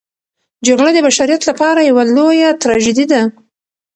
جګړه د بشریت لپاره یوه لویه تراژیدي ده.